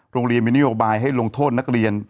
โรงเรียนมีนโยบายให้ลงโทษนักเรียน